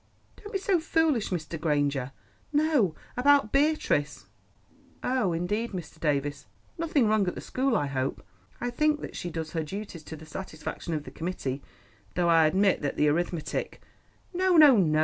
"Don't be so foolish, Mr. Granger. No, about Beatrice." "Oh. indeed, Mr. Davies. Nothing wrong at the school, I hope? I think that she does her duties to the satisfaction of the committee, though I admit that the arithmetic——" "No! no, no!